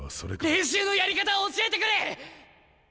練習のやり方を教えてくれ！